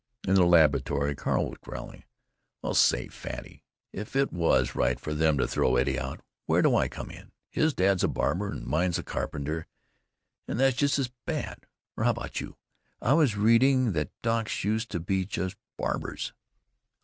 In the laboratory Carl was growling: "Well, say, Fatty, if it was right for them to throw Eddie out, where do I come in? His dad 's a barber, and mine 's a carpenter, and that's just as bad. Or how about you? I was reading that docs used to be just barbers."